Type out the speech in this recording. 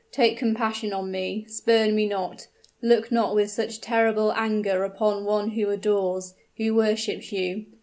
take compassion on me spurn me not look not with such terrible anger upon one who adores, who worships you!